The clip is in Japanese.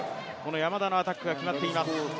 山田のアタックが決まっています。